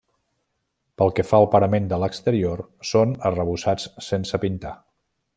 Pel que fa al parament de l'exterior són arrebossats sense pintar.